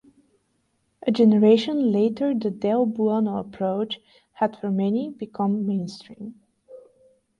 A generation later the del Buono approach had for many become mainstream.